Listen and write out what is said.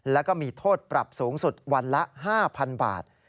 แล้วก็มีโทษปรับสูงสุดวันละ๕๐๐๐บาท